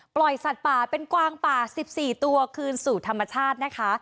สัตว์ป่าเป็นกวางป่า๑๔ตัวคืนสู่ธรรมชาตินะคะ